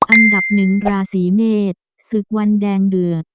อันดับหนึ่งราศีเมษศึกวันแดงเดือด